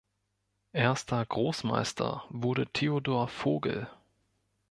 Erster Großmeister wurde Theodor Vogel.